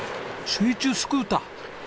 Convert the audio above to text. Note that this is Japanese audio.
水中スクーター！？